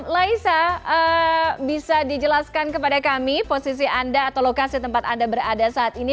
laisa bisa dijelaskan kepada kami posisi anda atau lokasi tempat anda berada saat ini